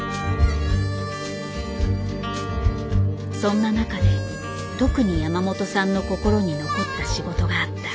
そんな中で特に山本さんの心に残った仕事があった。